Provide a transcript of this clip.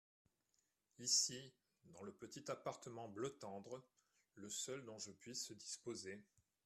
Ici, dans le petit appartement bleu tendre… le seul dont je puisse disposer…